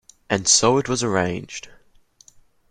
And so it was arranged.